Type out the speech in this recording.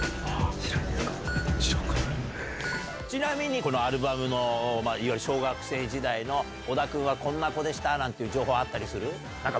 ちなみにこのアルバムのいわゆる小学生時代の小田君は、こんな子でしたなんていう情報あったりする？